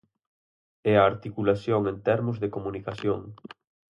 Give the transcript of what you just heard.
E a articulación en termos de comunicación.